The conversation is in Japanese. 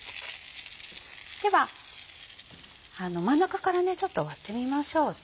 では真ん中からちょっと割ってみましょう。